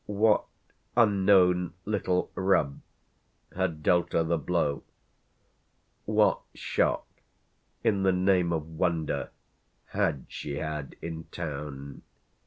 What unknown "little rub" had dealt her the blow? What shock, in the name of wonder, had she had in town?